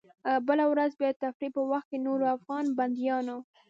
بله ورځ بیا د تفریح په وخت کې نورو افغان بندیانو.